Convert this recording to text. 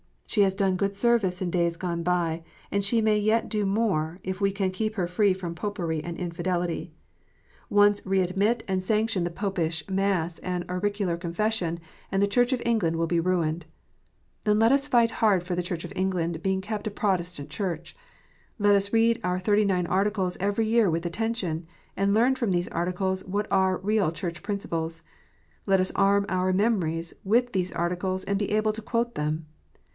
She has done good service in days gone by, and she may yet do more, if we can keep her free from Popery and infidelity. Once re admit 362 KNOTS UNTIED. and sanction the Popish mass and auricular confession, and the Church of England will be ruined. Then let us fight hard for the Church of England being kept a Protestant Church. Let us read our Thirty nine Articles every year with attention, and learn from these Articles what are real Church principles. Let us arm our memories with these Articles, and be able to quote them.